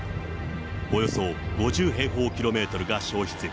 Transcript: およそ５０平方キロメートルが焼失。